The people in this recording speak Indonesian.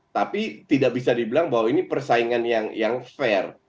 tapi tidak bisa dibilang bahwa ini persaingan yang fair